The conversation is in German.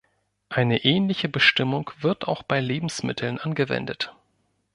Eine ähnliche Bestimmung wird auch bei Lebensmitteln angewendet.